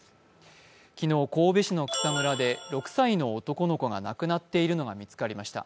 昨日、神戸市の草むらで６歳の男の子が亡くなっているのが見つかりました。